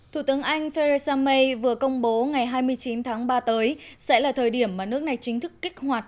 thủ tướng anh theresa may vừa công bố ngày hai mươi chín tháng ba tới sẽ là thời điểm mà nước này chính thức kích hoạt